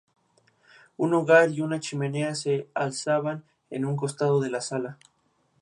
Un hogar y una chimenea se alzaban en un costado de la sala.